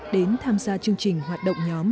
đến tham gia chương trình hoạt động nhóm